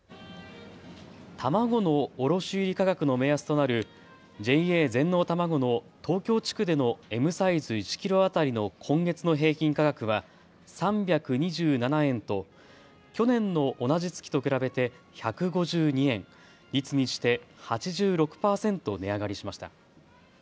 卵の卸売価格の目安となるＪＡ全農たまごの東京地区でのＭサイズ１キロ当たりの今月の平均価格は３２７円と去年の同じ月と比べて１５２円、率にして８６％値上がりしました。